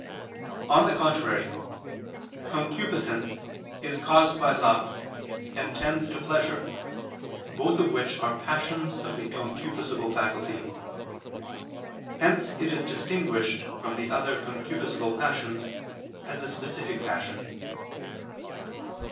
On the contrary, Concupiscence is caused by love, and tends to pleasure, both of which are passions of the concupiscible faculty. Hence it is distinguished from the other concupiscible passions, as a specific passion.